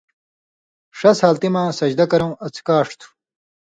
ݜس حالتی مہ سجدہ کرؤں اڅھکاݜ تھُو۔